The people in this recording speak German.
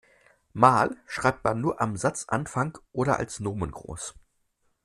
Mal schreibt man nur am Satzanfang oder als Nomen groß.